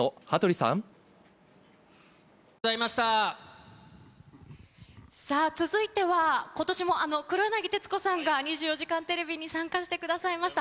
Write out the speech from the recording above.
さあ、続いては、ことしも黒柳徹子さんが、２４時間テレビに参加してくださいました。